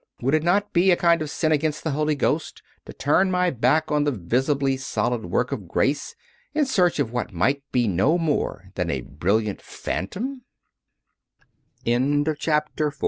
Would it not be a kind of sin against the Holy Ghost to turn my back on the visibly solid work of grace, in search for what might be no more than a brilliant phant